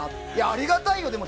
ありがたいよ、でも。